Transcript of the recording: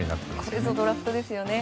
これぞドラフトですよね。